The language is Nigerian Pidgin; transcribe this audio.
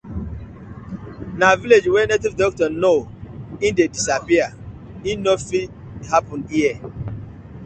Na village wey native doctor know e dey disappear, e no fit happen here.